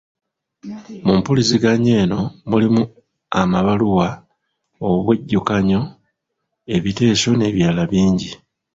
Mu mpuliziganya eno mulimu amabaluwa, obwejjukanyo, ebiteeso n'ebirala bingi.